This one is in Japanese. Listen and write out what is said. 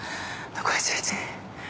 残り１１。